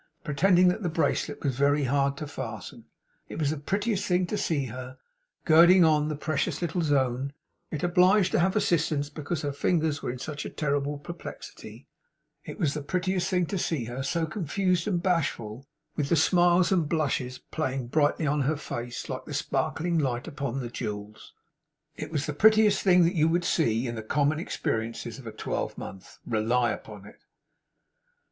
pretending that the bracelet was very hard to fasten; it was the prettiest thing to see her girding on the precious little zone, and yet obliged to have assistance because her fingers were in such terrible perplexity; it was the prettiest thing to see her so confused and bashful, with the smiles and blushes playing brightly on her face, like the sparkling light upon the jewels; it was the prettiest thing that you would see, in the common experiences of a twelvemonth, rely upon it.